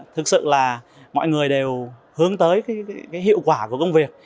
thực sự là mọi người đều hướng tới cái hiệu quả của công việc